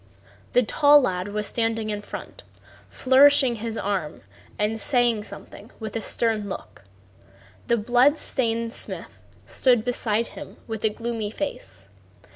The tall lad was standing in front, flourishing his arm and saying something with a stern look. The blood stained smith stood beside him with a gloomy face.